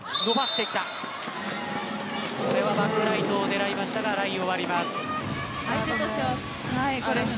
これはバックライトを狙いましたがラインを割ります。